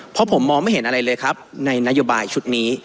เพราะผมมองไม่เห็นอะไรเลยครับในนโยบายชุดนี้